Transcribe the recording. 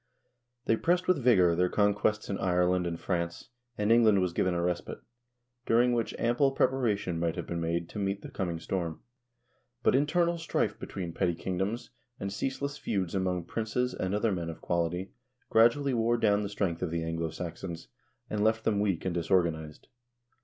They pressed with vigor their conquests in Ireland and France, and England was given a respite, during which ample preparation might have been made to meet the coming storm. But internal strife between petty kingdoms, and ceaseless feuds among princes and other men of quality gradually wore down the strength of the Anglo Saxons, and left them weak and disorganized.